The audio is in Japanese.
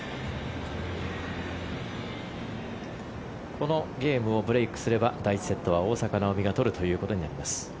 このゲームをブレークすれば第１セットは大坂なおみが取るということになります。